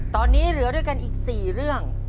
ตอนนี้เหลือด้วยกันอีก๔เรื่อง